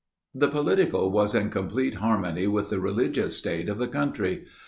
The political was in complete harmony with the religious state of the country.